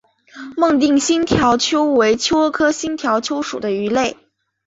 孟定新条鳅为鳅科新条鳅属的鱼类。